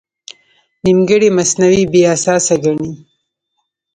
نیمګړی مصنوعي بې اساسه ګڼي.